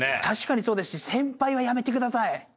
確かにそうですし先輩はやめてください。